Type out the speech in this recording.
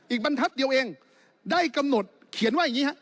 บรรทัศน์เดียวเองได้กำหนดเขียนว่าอย่างนี้ฮะ